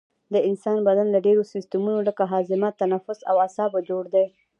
د انسان بدن له ډیرو سیستمونو لکه هاضمه تنفس او اعصابو جوړ دی